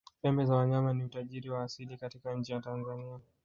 pembe za wanyama ni utajiri wa asili katika nchi ya tanzania